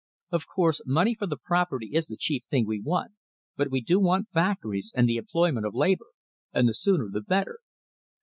Of course, money for the property is the chief thing we want, but we do want factories and the employment of labour, and the sooner the better.